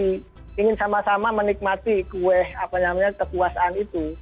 ini ingin sama sama menikmati kueh apa namanya kekuasaan itu